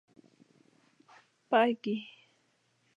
Paige St.